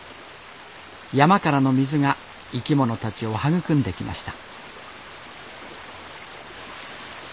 山からの水が生き物たちを育んできました